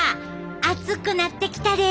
熱くなってきたで。